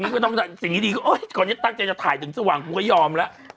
ก่อนที่ตั้งใจจะถ่ายถึงสว่างกูก็ยอมละ